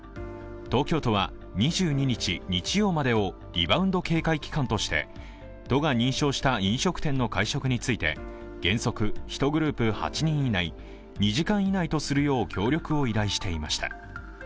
東京都は２２日日曜日までをリバウンド警戒期間として都が認証した飲食店の会食について原則１グループ８人以内、２時間以内とするよう協力を依頼していました。